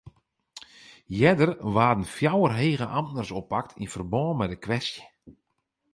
Earder waarden fjouwer hege amtners oppakt yn ferbân mei de kwestje.